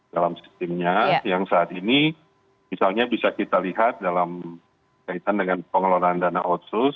dalam sistemnya yang saat ini misalnya bisa kita lihat dalam kaitan dengan pengelolaan dana otsus